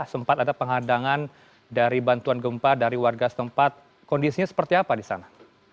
sempat ada penghadangan dari bantuan gempa dari warga setempat kondisinya seperti apa di sana